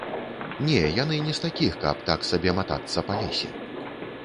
Не, яны не з такіх, каб так сабе матацца па лесе.